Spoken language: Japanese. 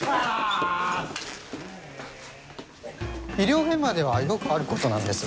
医療現場ではよくあることなんです。